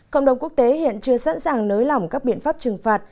cộng đồng quốc tế hiện chưa sẵn sàng nới lỏng các biện pháp trừng phạt